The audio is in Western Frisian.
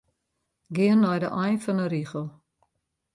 Gean nei de ein fan 'e rigel.